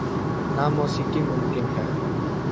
نہ موسیقی ممکن ہے۔